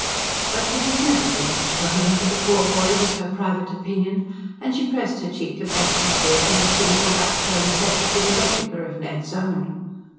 But: it has never been much of a home for the poor boy was her private opinion; and she pressed her cheek affectionately against the little black curly head that was a replica of Ned's own.